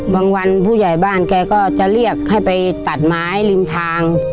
วันผู้ใหญ่บ้านแกก็จะเรียกให้ไปตัดไม้ริมทาง